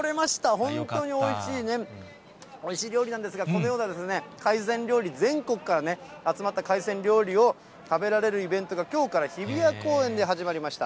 本当においしい、おいしい料理なんですが、このような海鮮料理、全国から集まった海鮮料理、食べられるイベントが、きょうから日比谷公園で始まりました。